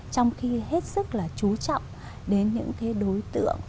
trong khi hết sức là chú trọng đến những cái đối tượng